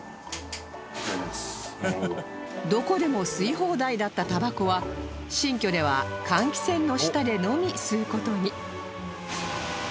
どこでも吸い放題だったタバコは新居では換気扇の下でのみ吸う事に